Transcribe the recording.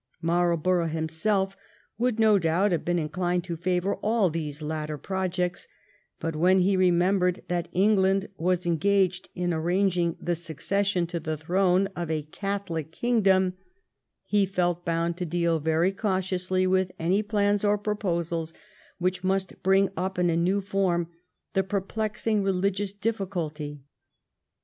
Marlborough himself would no doubt have been inclined to favour all these latter projects, but when he remembered that England was engaged in arranging the succession to the throne of a Catholic kingdom, he felt bound to deal very cautiously with any plans or proposals which must bring up in a new form the perplexing religious difficulty.